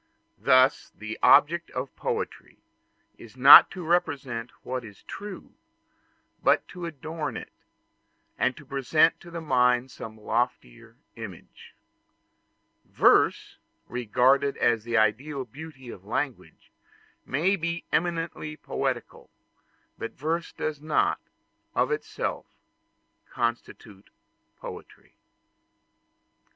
Thus the object of poetry is not to represent what is true, but to adorn it, and to present to the mind some loftier imagery. Verse, regarded as the ideal beauty of language, may be eminently poetical; but verse does not, of itself, constitute poetry.